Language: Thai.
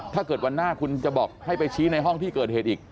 ถ้าเกิดวันหน้าคุณจะบอกให้ไปชี้ในห้องที่เกิดเหตุอีก